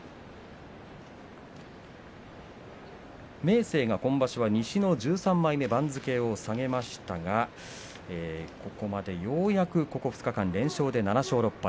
明生は今場所、西の１３枚目番付を下げましたがようやくここ２日間連勝で７勝６敗。